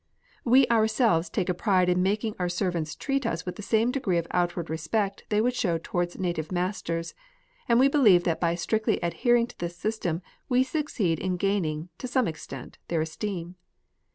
We ourselves take a pride in making our servants treat us with the same degree of outward respect they would show towards native masters, and we believe that by strictly adhering to this system we succeed in gaining, to ^me extent, their esteem.